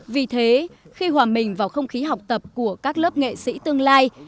vì thế khi hòa mình vào không khí học tập của các lớp nghệ sĩ tương lai